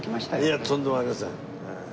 いやとんでもありません。